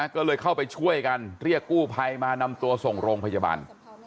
ก็เลยเข้าไปช่วยกันเรียกกู้ภัยมานำตัวส่งโรงพยาบาล